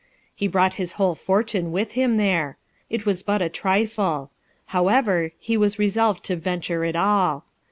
He brought his whole fortune with him there ; it was but a trifle ; however, he was resolved to venture it all.